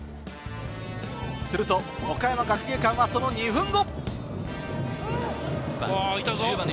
すると岡山学芸館は、その２分後。